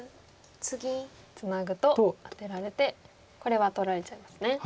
ツナぐとアテられてこれは取られちゃいますね。